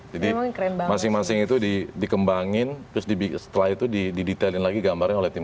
jadi lem chil alémn itu dikembangin trudy b apa itu didetail lagi gambarnya oleh tim